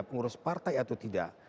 dia mengurus partai atau tidak